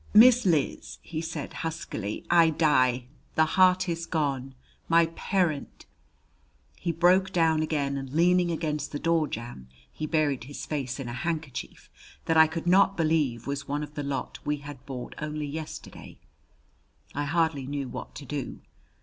"Miss Liz!" he said huskily. "I die; the heart is gone! My parent " He broke down again; and leaning against the door jamb he buried his face in a handkerchief that I could not believe was one of the lot we had bought only yesterday. I hardly knew what to do.